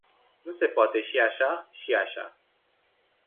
Nu se poate și așa, și așa.